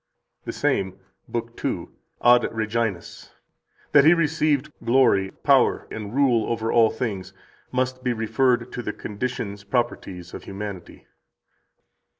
55 The same, lib. 2, Ad Reginas: "That He received glory, power, and rule over all things must be referred to the conditions [properties] of humanity."